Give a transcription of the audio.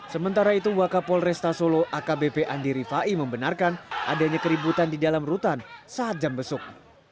sementara itu wakapol resta solo akbp andi rifai membenarkan adanya keributan di dalam rutan saat jam besuk